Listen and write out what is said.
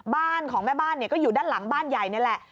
บ้านของแม่บ้านก็อยู่ด้านหลังบ้านใหญ่นี่แหละ